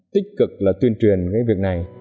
tích cực là tuyên truyền cái việc này